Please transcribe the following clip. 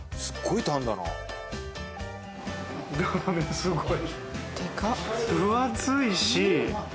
すごい。